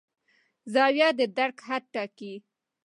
زاویه د درک حد ټاکي.